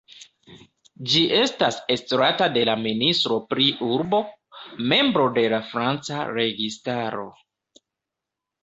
Ĝi estas estrata de la ministro pri urbo, membro de la franca registaro.